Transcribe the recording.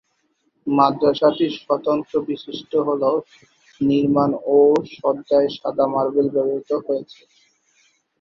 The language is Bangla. মাদ্রাসাটির স্বতন্ত্র বিশিষ্ট হল নির্মাণ ও সজ্জায় সাদা মার্বেল ব্যবহৃত হয়েছে।